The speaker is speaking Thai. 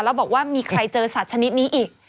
แล้วบอกว่ามีใครเจอสัตว์ชนิดนี้อีก